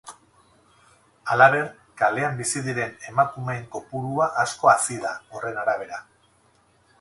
Halaber, kalean bizi diren emakumeen kopurua asko hazi da, horren arabera.